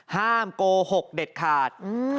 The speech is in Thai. ห้ามโกหกเด็ดขาด